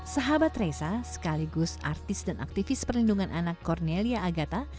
sahabat resa sekaligus artis dan aktivis perlindungan anak cornelia agata